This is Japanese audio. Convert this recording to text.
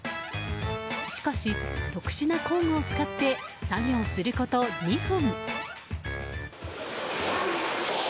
しかし、特殊な工具を使って作業すること２分。